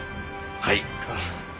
はい。